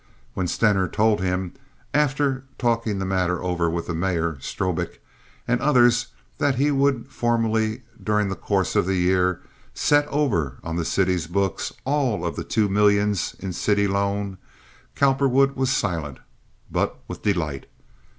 When Stener told him, after talking the matter over with the mayor, Strobik, and others that he would formally, during the course of the year, set over on the city's books all of the two millions in city loan, Cowperwood was silent—but with delight.